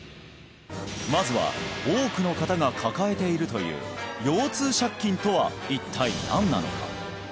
まずは多くの方が抱えているという腰痛借金とは一体何なのか？